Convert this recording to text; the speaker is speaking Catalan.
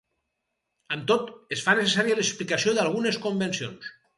Amb tot, es fa necessària l'explicació d'algunes convencions.